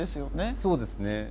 そうですね。